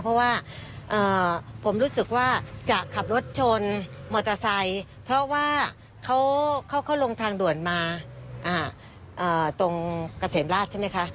เพราะว่าผมรู้สึกว่าจะขับรถชนมอเตอร์ไซค์เพราะว่าเขาลงทางด่วนมาตรงเกษมราชใช่ไหมคะ